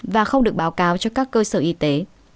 và không được báo cáo cho các cơ sở y tế